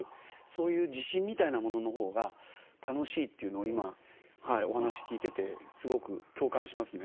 そういう自信みたいなもののほうが楽しいというのを今お話聞いててすごく共感しますね。